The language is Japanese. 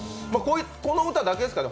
この歌だけですかね